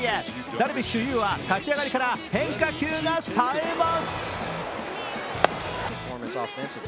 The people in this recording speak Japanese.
ダルビッシュ有は立ち上がりから変化球がさえます。